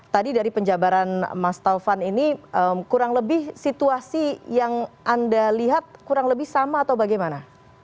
tadi dari penjabaran mas taufan ini kurang lebih situasi yang anda lihat kurang lebih sama atau bagaimana